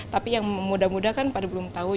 tapi yang muda muda kan pada belum tahu